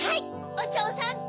おしょうさん！